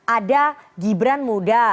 ada gibran muda